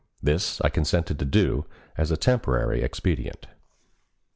This I consented to do, as a temporary expedient.